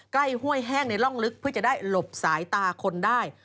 ห้วยแห้งในร่องลึกเพื่อจะได้หลบสายตาคนได้